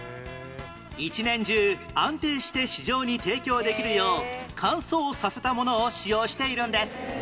一年中安定して市場に提供できるよう乾燥させたものを使用しているんです